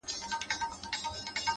• نه په پښو کي یې لرل کاږه نوکونه ,